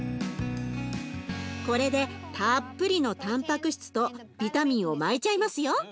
これでたっぷりのたんぱく質とビタミンを巻いちゃいますよ。